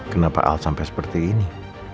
kenapa al sampai seperti ini